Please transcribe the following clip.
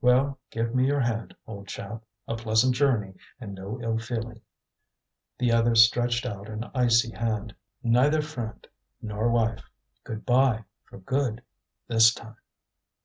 "Well, give me your hand, old chap. A pleasant journey, and no ill feeling." The other stretched out an icy hand. Neither friend nor wife. "Good bye for good this time."